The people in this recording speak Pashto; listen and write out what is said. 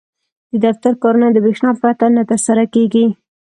• د دفتر کارونه د برېښنا پرته نه ترسره کېږي.